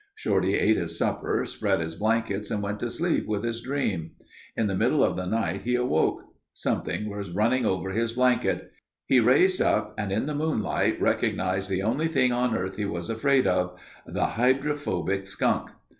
Shorty ate his supper, spread his blankets and went to sleep with his dream. In the middle of the night he awoke. Something was running over his blanket. He raised up and in the moonlight recognized the only thing on earth he was afraid of—the "hydrophobic skunk."